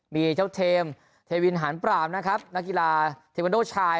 มีเจ้าเทมเทวินหารปราบนะครับนักกีฬาเทวันโดชาย